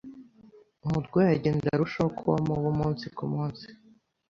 Umurwayi agenda arushaho kuba mubi umunsi ku munsi.